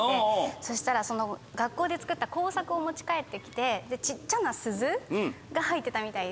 そしたら学校で作った工作を持ち帰って来て。が入ってたみたいで。